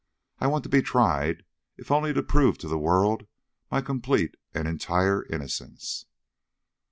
I want to be tried, if only to prove to the world my complete and entire innocence."